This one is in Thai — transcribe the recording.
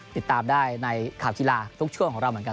ติดตามได้ในข่าวกีฬาทุกช่วงของเราเหมือนกัน